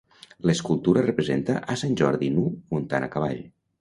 L'escultura representa a Sant Jordi nu muntant a cavall.